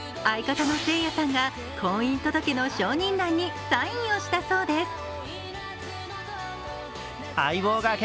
相方のせいやさんが婚姻届の証人欄にサインをしたそうです。